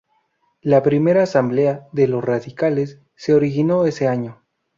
La primera asamblea de los radicales se originó ese año.